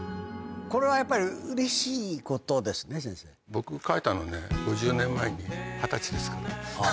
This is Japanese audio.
僕書いたのはね５０年前に二十歳ですから。